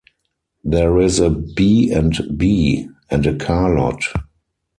There is a B and B and a car lot.